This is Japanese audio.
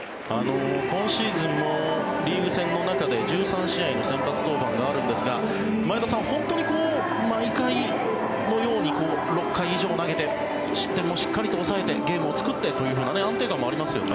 今シーズンもリーグ戦の中で１３試合の先発登板があるんですが前田さん、本当に毎回のように６回以上投げて失点もしっかり抑えてゲームを作ってという安定感もありますよね。